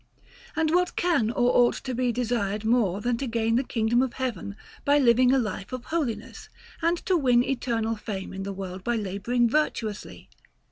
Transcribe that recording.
And what can or ought to be desired more than to gain the kingdom of Heaven by living a life of holiness, and to win eternal fame in the world by labouring virtuously?